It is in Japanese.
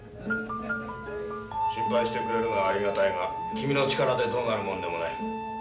心配してくれるのはありがたいが君の力でどうなるもんでもない。